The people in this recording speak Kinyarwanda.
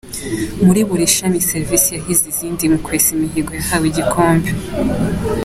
Muri buri shami serivisi yahize izindi mu kwesa imihigo yahawe igikombe.